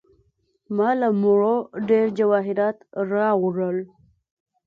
ما له مړو څخه ډیر جواهرات راوړل.